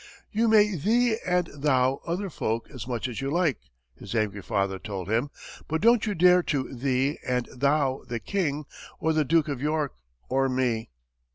"You may 'thee' and 'thou' other folk as much as you like," his angry father told him, "but don't you dare to 'thee' and 'thou' the King, or the Duke of York, or me."